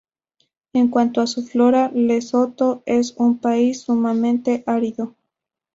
En cuanto a su flora, Lesoto es un país sumamente árido.